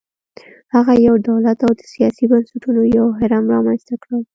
هغه یو دولت او د سیاسي بنسټونو یو هرم رامنځته کړل